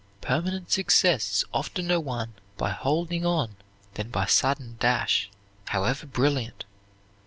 Permanent success is oftener won by holding on than by sudden dash, however brilliant.